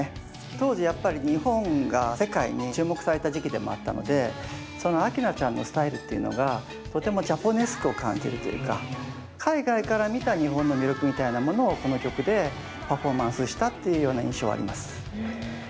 当時やっぱり日本が世界に注目された時期でもあったのでその明菜ちゃんのスタイルっていうのがとてもジャポネスクを感じるというか海外から見た日本の魅力みたいなものをこの曲でパフォーマンスしたっていうような印象はあります。